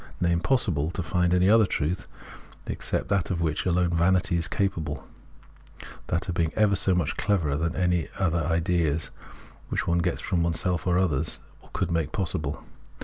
I.— G 8? Phenomenology of Mind nay impossible, to find any other truth, except that of which alone vanity is capable — that of being ever so much cleverer than any ideas, which one gets from oneself or others, could make possible.